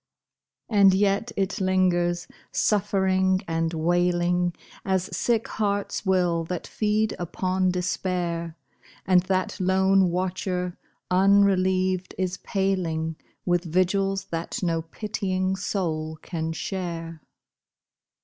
And yet it lingers, suffering and wailing, As sick hearts will that feed upon despair, And that lone watcher, unrelieved, is paling With vigils that no pitying soul can share.